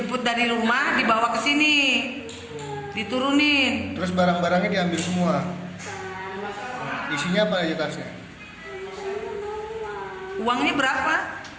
uang ini berapa